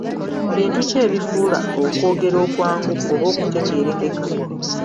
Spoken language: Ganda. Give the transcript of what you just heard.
Bintu ki ebifuula okwogera okwangu oba okutegeerekeka?